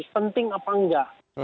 penting apa enggak